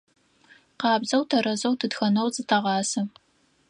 Къабзэу, тэрэзэу тытхэнэу зытэгъасэ.